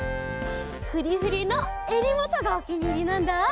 フリフリのえりもとがおきにいりなんだ。